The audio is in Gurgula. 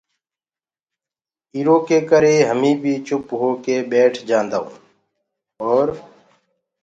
ايٚرو ڪري هميٚنٚ بي چُپ هوڪي ٻيٺ جآنٚدآئونٚ اورَ